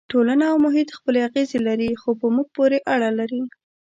ټولنه او محیط خپلې اغېزې لري خو په موږ پورې اړه لري.